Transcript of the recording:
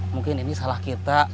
mungkin ini salah kita